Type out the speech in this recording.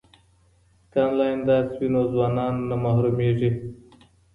که انلاین درس وي نو ځوانان نه محرومیږي.